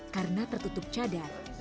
karena tertutup cadar